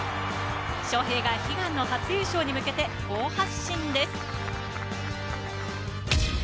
昌平が悲願の初優勝に向けて、好発進です。